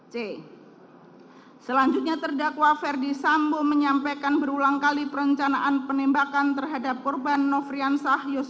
c selanjutnya terdakwa ferdi sambo menyampaikan berulang kali perencanaan penembakan terhadap korban nofrian sahyus